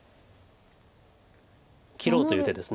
切ろうという手です。